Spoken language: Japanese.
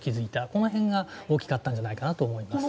この辺が大きかったんじゃないかなと思います。